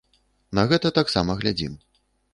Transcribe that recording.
На гэта таксама глядзім.